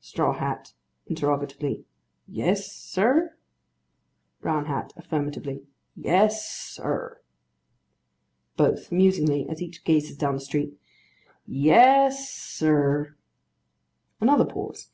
STRAW HAT. (Interrogatively.) Yes, sir? BROWN HAT. (Affirmatively.) Yes, sir. BOTH. (Musingly, as each gazes down the street.) Yes, sir. Another pause.